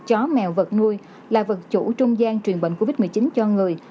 chó mèo vật nuôi là vật chủ trung gian truyền bệnh covid một mươi chín cho người